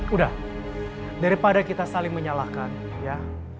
udah daripada kita saling menyalahkan ya